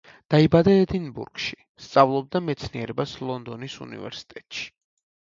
დაიბადა ედინბურგში, სწავლობდა მეცნიერებას ლონდონის უნივერსიტეტში.